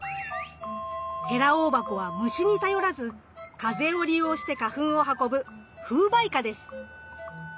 ヘラオオバコは虫に頼らず風を利用して花粉を運ぶ「風媒花」です。